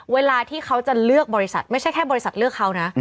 เวลาที่เขาจะเลือกบริษัทไม่ใช่แค่บริษัทเลือกเขานะ